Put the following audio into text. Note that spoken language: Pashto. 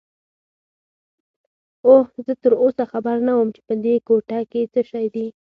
اوه، زه تراوسه خبر نه وم چې په دې کوټه کې څه شی دي.